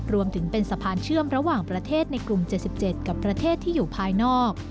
รวมถึงเป็นสะพานเชื่อมระหว่างประเทศในกลุ่ม๗๗กับประเทศที่อยู่ภายนอก